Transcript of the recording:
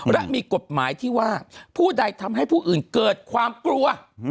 และมีกฎหมายที่ว่าผู้ใดทำให้ผู้อื่นเกิดความกลัว